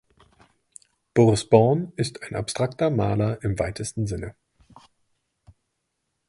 Boris Born ist ein abstrakter Maler im weitesten Sinne.